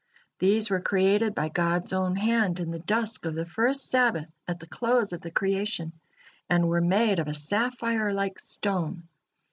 These were created by God's own hand in the dusk of the first Sabbath at the close of the creation, and were made of a sapphire like stone.